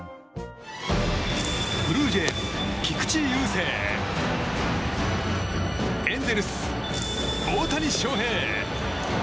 ブルージェイズ、菊池雄星エンゼルス、大谷翔平。